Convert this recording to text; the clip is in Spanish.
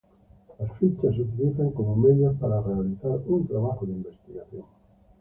Las fichas se utilizan como medios para realizar un trabajo de investigación.